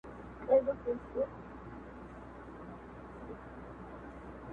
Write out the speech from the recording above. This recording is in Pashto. • او که يې اخلې نو آدم اوحوا ولي دوه وه.